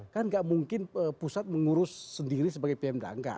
kan nggak mungkin pusat mengurus sendiri sebagai pmd